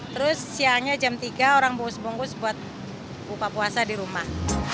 terus siangnya jam tiga orang bungkus bungkus buat buka puasa di rumah